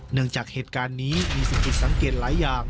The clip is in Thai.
เนื่องจากเหตุการณ์นี้มีสิทธิ์สังเกตหลายอย่าง